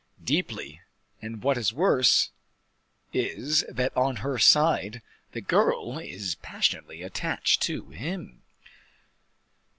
"Deeply, and what is worse is, that on her side, the girl is passionately attached to him."